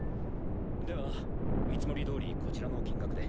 では見積もりどおりこちらの金額で。